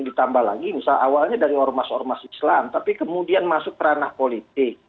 ditambah lagi misalnya awalnya dari ormas ormas islam tapi kemudian masuk ke ranah politik